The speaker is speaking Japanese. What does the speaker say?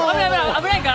危ないから。